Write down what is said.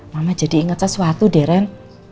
mama jadi inget sesuatu deh ren